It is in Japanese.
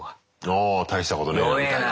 あ大したことねえなみたいな。